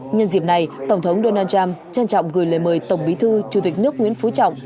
nhân dịp này tổng thống donald trump trân trọng gửi lời mời tổng bí thư chủ tịch nước nguyễn phú trọng